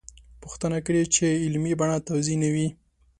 پوښتنه کړې چا علمي بڼه توضیح نه وي.